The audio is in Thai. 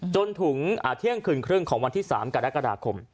จนถึงเที่ยงคืนครึ่งของวันที่๓กรกฎาคม